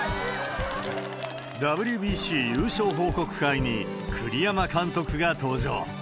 ＷＢＣ優勝報告会に、栗山監督が登場。